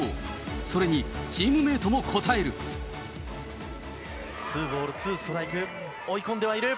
それにチームメートもツーボールツーストライク、追い込んではいる。